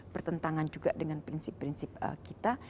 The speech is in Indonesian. bertentangan juga dengan prinsip prinsip kita